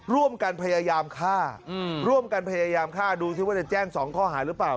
ร่วมกันพยายามฆ่าร่วมกันพยายามฆ่าดูสิว่าจะแจ้ง๒ข้อหาหรือเปล่า